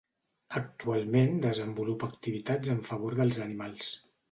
Actualment desenvolupa activitats en favor dels animals.